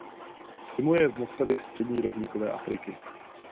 Zimuje v mokřadech střední rovníkové Afriky.